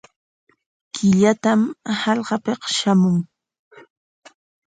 Killatam hallqapik shamun.